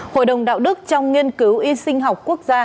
hội đồng đạo đức trong nghiên cứu y sinh học quốc gia